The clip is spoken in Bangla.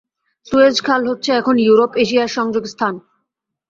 সুয়েজ খাল হচ্ছে এখন ইউরোপ-এশিয়ার সংযোগ স্থান।